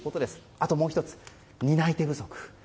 あともう１つ、担い手不足。